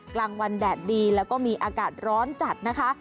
กลางวันแดดดีแล้วก็มีอากาศร้อนจัดนะคะ